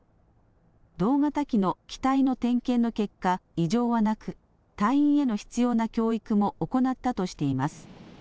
同型機の機体の点検の結果、異常はなく、隊員への必要な教育も行ったとしています。